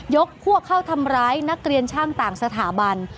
พวกเข้าทำร้ายนักเรียนช่างต่างสถาบัน